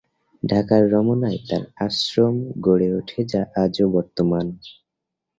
ঢাকার রমনায় তাঁর আশ্রম গড়ে ওঠে যা আজও বর্তমান।